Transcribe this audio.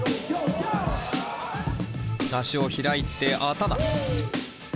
足を開いて頭。